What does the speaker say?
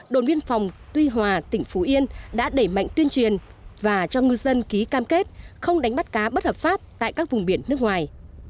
đồn biên phòng tuy hòa tỉnh phú yên đã đẩy mạnh tuyên truyền và cho ngư dân ký cam kết không đánh bắt cá bất hợp pháp tại các vùng biển nước ngoài